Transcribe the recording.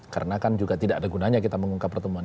karena kan juga tidak ada gunanya kita mengungkap pertemuan